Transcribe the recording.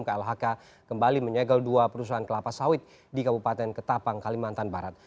klhk kembali menyegel dua perusahaan kelapa sawit di kabupaten ketapang kalimantan barat